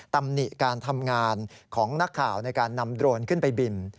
ตำหนิการทำงานของนักข่าวในการนำโดรนขึ้นไปบิน